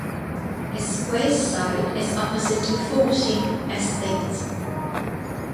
Its west side is opposite to Fu Shin Estate.